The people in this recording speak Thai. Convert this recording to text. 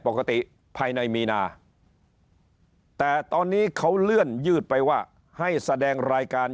ปกติภายในมีนาแต่ตอนนี้เขาเลื่อนยืดไปว่าให้แสดงรายการ